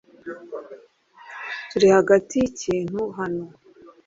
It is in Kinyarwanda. Turi hagati yikintu hano.